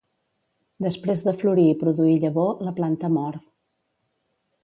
Després de florir i produir llavor, la planta mor.